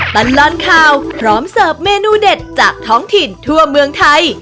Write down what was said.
ตลอดข่าวพร้อมเสิร์ฟเมนูเด็ดจากท้องถิ่นทั่วเมืองไทย